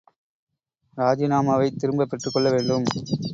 ராஜிநாமாவைத் திரும்பப் பெற்றுக்கொள்ள வேண்டும்.